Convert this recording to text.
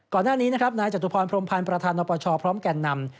ก่อนหน้านี้นายจัตรุพรพรมพันธ์ประธานประชอพร้อมแก่นนำ